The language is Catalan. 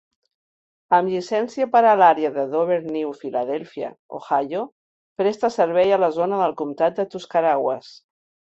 Amb llicència per a l'àrea de Dover-New Philadelphia (Ohio), presta servei a la zona del comtat de Tuscarawas.